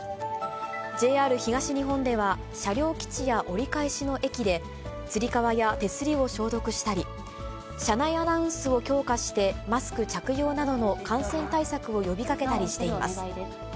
ＪＲ東日本では車両基地や折り返しの駅で、つり革や手すりを消毒したり、車内アナウンスを強化して、マスク着用などの感染対策を呼びかけたりしています。